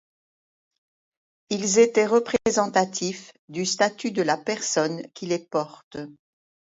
Ils étaient représentatifs du statut de la personne qui les portent.